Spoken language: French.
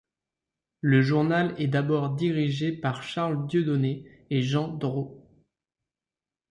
Le journal est d'abord dirigé par Charles Dieudonné et Jean Drault.